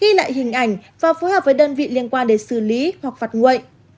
ghi lại hình ảnh và phối hợp với đơn vị liên quan để xử lý hoặc phạt nguội